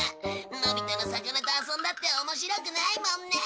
のび太の魚と遊んだって面白くないもんね。